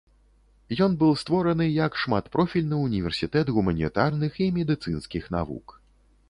Ён быў створаны як шматпрофільны універсітэт гуманітарных і медыцынскіх навук.